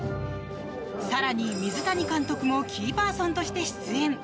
更に、水谷監督もキーパーソンとして出演。